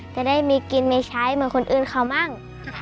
จะได้มีกินมีใช้เหมือนคนอื่นเขามั่ง